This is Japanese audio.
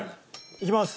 いきます。